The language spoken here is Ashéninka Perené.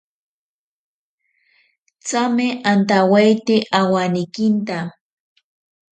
Tsame antawaite awanekinta.